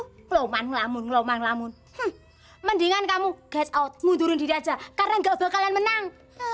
knalaman lamun lamun mendingan kamu gosok mundurin diajak karena enggak belakang menang